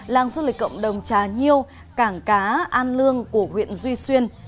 làng du lịch cộng đồng trà nhiêu cảng cá an lương của huyện duy xuyên